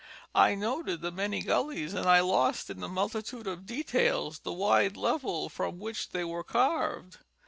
I noted the many gullies, and I lost in the multitude of details the wide level from which they were carved.